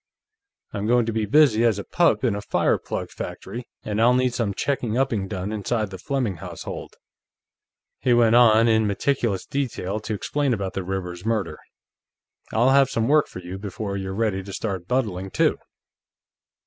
I'm going to be busy as a pup in a fireplug factory with this Rivers thing, and I'll need some checking upping done inside the Fleming household." He went on, in meticulous detail, to explain about the Rivers murder. "I'll have some work for you, before you're ready to start buttling, too."